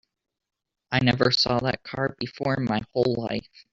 I never saw that car before in my whole life.